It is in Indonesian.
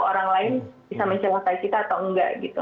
orang lain bisa mencelotai kita atau nggak gitu